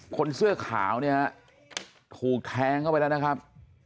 คนเสื้อขาวเนี่ยถูกแทงเข้าไปแล้วนะครับ